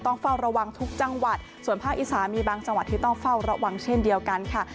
เฝ้าระวังทุกจังหวัดส่วนภาคอีสานีบางจังหวัดที่ต้องเฝ้าระวังเช่นเดียวกันค่ะ